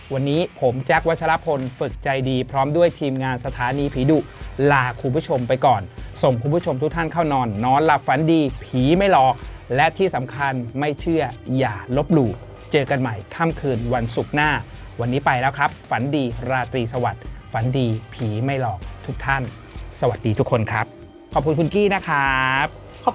วันนี้ผมแจ๊ควัชลพลฝึกใจดีพร้อมด้วยทีมงานสถานีผีดุลาคุณผู้ชมไปก่อนส่งคุณผู้ชมทุกท่านเข้านอนนอนหลับฝันดีผีไม่หลอกและที่สำคัญไม่เชื่ออย่าลบหลู่เจอกันใหม่ค่ำคืนวันศุกร์หน้าวันนี้ไปแล้วครับฝันดีราตรีสวัสดิ์ฝันดีผีไม่หลอกทุกท่านสวัสดีทุกคนครับขอบคุณคุณกี้นะครับ